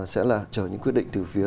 sẽ là chờ những quyết định từ phía